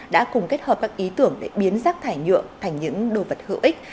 đã cùng kết hợp các ý tưởng để biến rác thải nhựa thành những đồ vật hữu ích